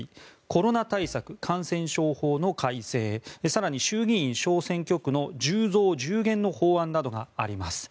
コロナ対策、感染症法の改正更に衆議院小選挙区の１０増１０減の法案などがあります。